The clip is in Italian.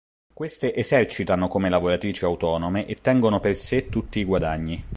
Queste esercitano come lavoratrici autonome e tengono per sé tutti i guadagni.